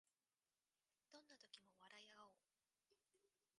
どんな時も笑いあおう